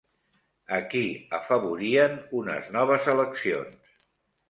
A qui afavorien unes noves eleccions?